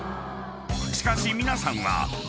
［しかし皆さんは］